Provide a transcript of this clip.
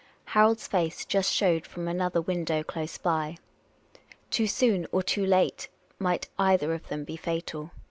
Harold's face just showed from another window close by. Too soon or too late might either of them be fatal.